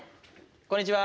こんにちは。